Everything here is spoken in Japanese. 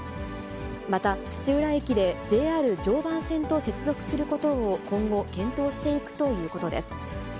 また、土浦駅でＪＲ常磐線と接続することを今後、検討していくということです。